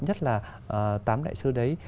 nhất là tám đại sứ đấy